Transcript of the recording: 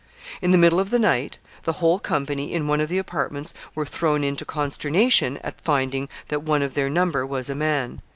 In the middle of the night, the whole company in one of the apartments were thrown into consternation at finding that one of their number was a man.